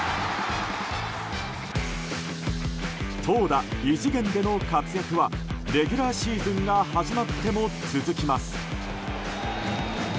投打異次元での活躍はレギュラーシーズンが始まっても続きます。